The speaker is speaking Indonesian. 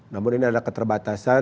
namun ini ada keterbatasan